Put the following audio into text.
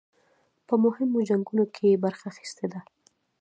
په مهمو جنګونو کې یې برخه اخیستې ده.